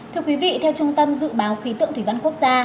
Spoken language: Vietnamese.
thưa quý vị theo trung tâm dự báo khí tượng thủy văn quốc gia